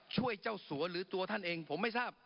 ช่วยเจ้าสัวหรือตัวท่านเองผมไม่ทราบ